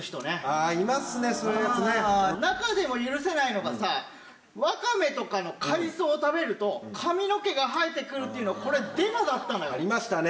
ああ、いますね、中でも許せないのがさ、ワカメとかの海藻を食べると、髪の毛が生えてくるっていうの、ありましたね。